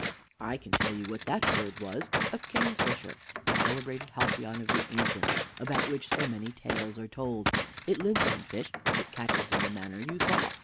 Mr. A. I can tell you what that bird was a kingfisher, the celebrated halcyon of the ancients, about which so many tales are told. It lives on fish, which it catches in the manner you saw.